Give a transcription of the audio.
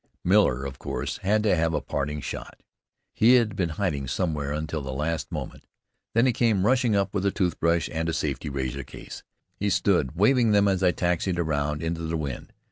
Miller, of course, had to have a parting shot. He had been in hiding somewhere until the last moment. Then he came rushing up with a toothbrush and a safety razor case. He stood waving them as I taxied around into the wind.